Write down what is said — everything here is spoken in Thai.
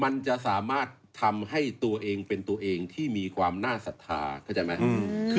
มันจะสามารถทำให้ตัวเองเป็นตัวเองที่มีความน่าศรัทธาเข้าใจไหม